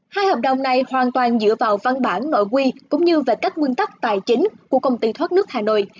hai hợp đồng này hoàn toàn dựa vào văn bản nội quy cũng như về cách nguyên tắc tài chính của công ty thoát nước hà nội